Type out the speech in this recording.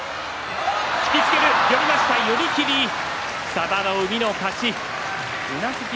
佐田の海の勝ち。